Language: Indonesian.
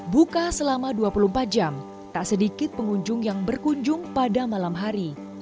buka selama dua puluh empat jam tak sedikit pengunjung yang berkunjung pada malam hari